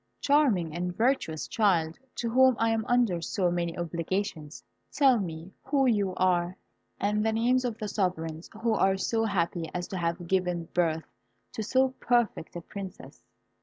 Charming and virtuous child, to whom I am under so many obligations, tell me who you are, and the names of the sovereigns who are so happy as to have given birth to so perfect a Princess?"